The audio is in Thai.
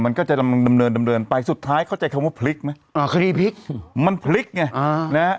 มันก็จะดำเนินไปสุดท้ายเข้าใจคำว่าพลิกไหมอ่าคดีพลิกมันพลิกเนี่ยนะฮะ